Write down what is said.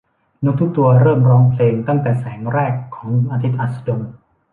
นกทุกตัวเริ่มร้องเพลงตั้งแต่แสงแรกของอาทิตย์อัสดง